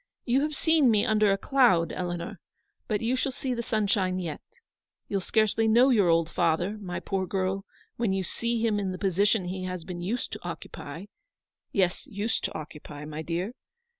You have seen me under a cloud, Eleanor ; but you shall see the sunshine yet. You'll scarcely know your old father, my poor girl, when you see him in the position he has been used to occupy; yes, used to occupy, my dear.